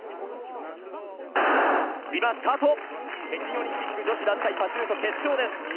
北京オリンピック女子団体パシュート決勝です。